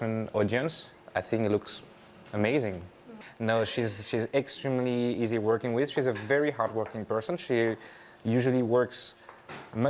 jadi dia adalah orang yang sangat bijak yang mengartikulasi